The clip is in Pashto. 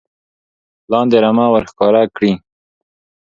لاندې رمه ور ښکاره کړي